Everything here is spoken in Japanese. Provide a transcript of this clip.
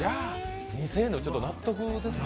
２０００円も納得ですね。